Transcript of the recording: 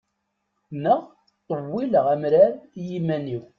Neɣ ṭṭewwileɣ amrar i yiman-iw.